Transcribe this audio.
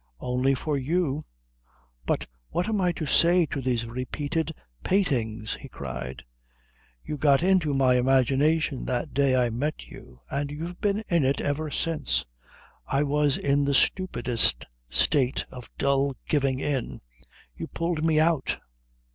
"Only for you." "But what am I to say to these repeated pattings?" he cried. "You got into my imagination that day I met you and you've been in it ever since. I was in the stupidest state of dull giving in. You pulled me out."